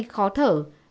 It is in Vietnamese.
hai khó thở